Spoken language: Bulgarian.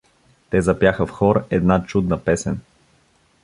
Те запяха в хор една чудна песен.